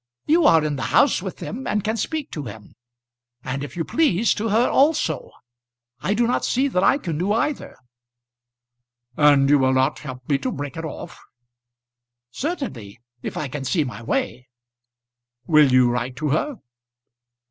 You are in the house with them, and can speak to him, and if you please to her also. I do not see that I can do either." "And you will not help me to break it off?" "Certainly, if I can see my way." "Will you write to her?"